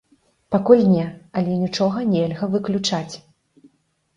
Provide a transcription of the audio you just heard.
Пакуль не, але нічога нельга выключаць.